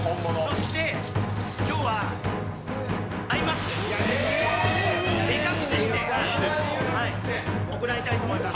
そして今日はアイマスク目隠しして、行いたいと思います。